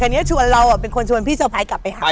คันนี้ชวนเราเป็นคนชวนพี่เจ้าพัยกลับไปหาเขา